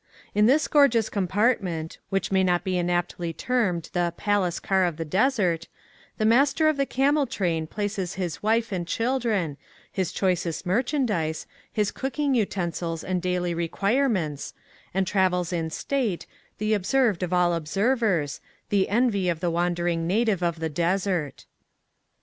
In this gorgeous compartment, which may be not inaptly termed the "Palace Car of the Desert," the master of the camel train places his wife and children, his choicest merchandise, his cooking utensils, and daily requirements, and travels in state, the observed of all observers, the envy of the wandering na tive of the desert.